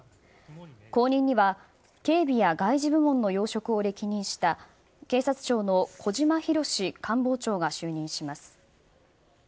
後任には警備や外事部門の要職を歴任した警察庁の小島裕史官房長が就任します。